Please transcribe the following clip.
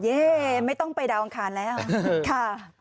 ไม่ต้องไปดาวอังคารแล้วค่ะ